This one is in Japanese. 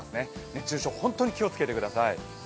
熱中症、本当に気をつけてください。